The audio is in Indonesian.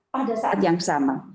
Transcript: pada saat yang sama